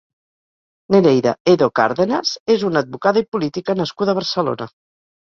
Nereida Edo Cárdenas és una advocada i política nascuda a Barcelona.